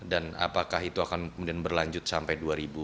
dan apakah itu akan berlanjut sampai dua ribu sembilan belas